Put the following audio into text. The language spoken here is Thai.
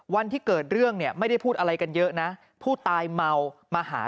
วันที่เกิดเรื่องเนี่ยไม่ได้พูดอะไรกันเยอะนะผู้ตายเมามาหา